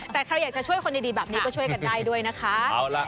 แต่ใครอยากจะช่วยคนดีแบบนี้ก็ช่วยกันได้ด้วยนะคะ